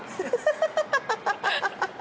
ハハハハハ！